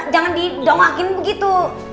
jangan di dongakin begitu